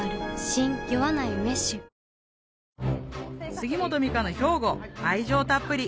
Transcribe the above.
杉本美香の兵庫愛情たっぷり！